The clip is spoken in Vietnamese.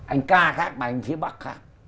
anh ca khác mà anh phía bắc khác